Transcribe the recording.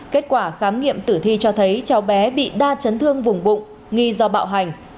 kết quả khám nghiệm tử thi cho thấy cháu bé bị đa chấn thương vùng bụng nghi do bạo hành